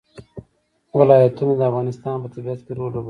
ولایتونه د افغانستان په طبیعت کې رول لوبوي.